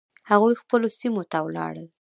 هغوی خپلو سیمو ته ولاړل.